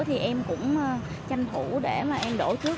thì em cũng tranh thủ để em đổ trước